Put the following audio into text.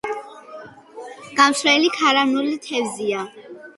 გამსვლელი ქარავნული თევზია.